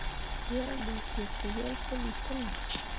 Wel ɓo yetǝyel puli te nah.